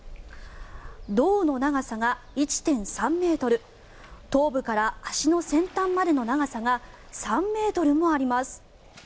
胴の長さが１．３ｍ頭部から足の先端までの長さが３ｍもあります。